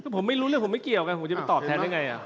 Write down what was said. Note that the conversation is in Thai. ผมไม่รู้เลยผมไม่เกี่ยวกันผมจะไปตอบแทนล่ะไง